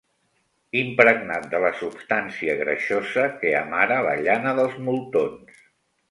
Impregnat de la substància greixosa que amara la llana dels moltons.